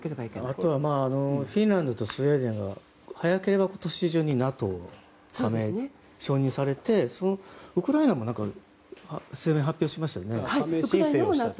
あとはフィンランドとスウェーデンが早ければ今年中にＮＡＴＯ加盟が承認されて、ウクライナも声明を発表しましたよね。